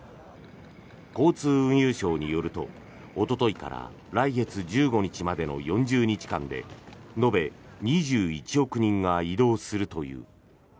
交通運輸省によるとおとといから来月１５日までの４０日間で延べ２１億人が移動するという。